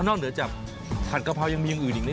เหนือจากผัดกะเพรายังมีอย่างอื่นอีกนะ